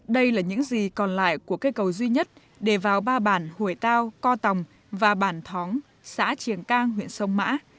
đây là những gì còn lại của cây cầu duy nhất để vào ba bản hồi tào co tòng và bản thóng xã triển cang huyện sông mã